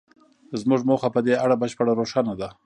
زموږ موخه په دې اړه بشپړه روښانه ده